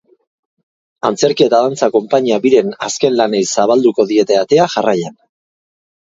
Antzerki eta dantza konpainia biren azken lanei zabalduko diete atea jarraian.